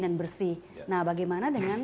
dan bersih nah bagaimana dengan